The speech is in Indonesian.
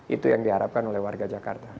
itu yang diharapkan oleh warga jakarta